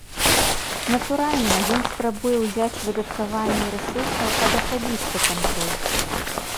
Натуральна, ён спрабуе ўзяць выдаткаванне рэсурсаў пад асабісты кантроль.